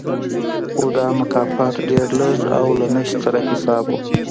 خو دا مکافات ډېر لږ او له نشت سره حساب و